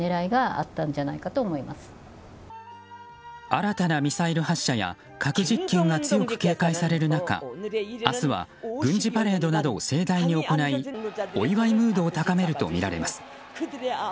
新たなミサイル発射や核実験が強く警戒される中明日は軍事パレードなどを盛大に行いお祝いムードを高めるとみられます。